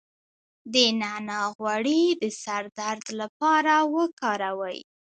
د نعناع غوړي د سر درد لپاره وکاروئ